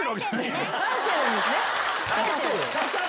生えてるんですね。